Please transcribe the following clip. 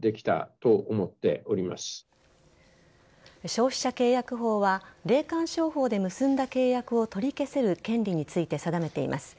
消費者契約法は霊感商法で結んだ契約を取り消せる権利について定めています。